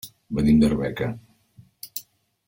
Venim d'Arbeca.